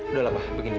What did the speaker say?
udah lah pak begini